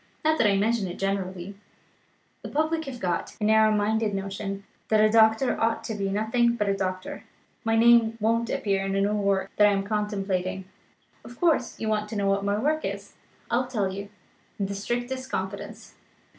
Not that I mention it generally; the public have got a narrow minded notion that a doctor ought to be nothing but a doctor. My name won't appear in a new work that I am contemplating. Of course, you want to know what my new work is. I'll tell you, in the strictest confidence.